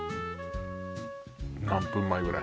何分前ぐらい？